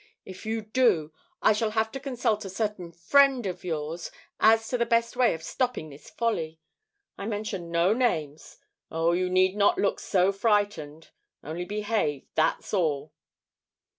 If you do, I shall have to consult a certain friend of yours as to the best way of stopping this folly. I mention no names. Oh! you need not look so frightened. Only behave; that's all."